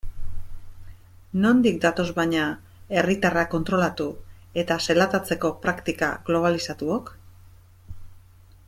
Nondik datoz baina herriatarrak kontrolatu eta zelatatzeko praktika globalizatuok?